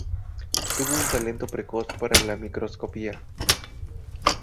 Tuvo un talento precoz para la microscopía.